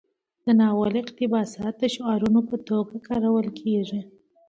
د ناول اقتباسات د شعارونو په توګه کارول کیږي.